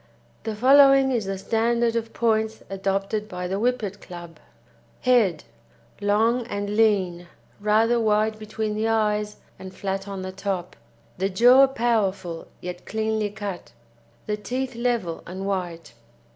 The following is the standard of points adopted by the Whippet Club: HEAD Long and lean, rather wide between the eyes and flat on the top; the jaw powerful yet cleanly cut; the teeth level and white.